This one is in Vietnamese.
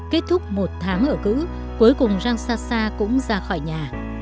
kết thúc một tháng ở cữ cuối cùng rangsasa cũng ra khỏi nhà